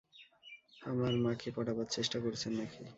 আমার মাকে পটাবার চেষ্টা করছেন নাকি?